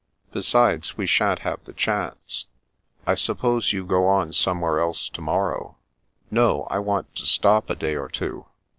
Besides, we shan't have the chance. I suppose you go on somewhere else to morrow ?" "No, I want to stop a day or two.